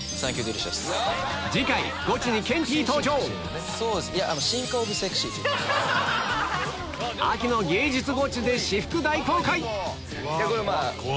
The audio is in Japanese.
次回ゴチにケンティー登場秋の芸術ゴチで私服大公開これ私なんですけど。